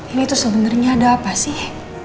ini tuh sebenarnya ada apa sih